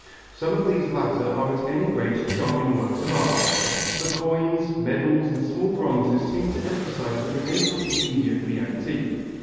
Some of these latter are at any rate charming works of art. The coins, medals and small bronzes seem to emphasize the Renaissance mania for the antique.